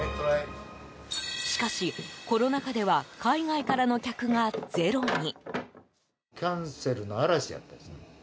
しかし、コロナ禍では海外からの客がゼロに。